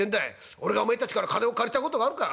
俺がおめえたちから金を借りたことがあるか？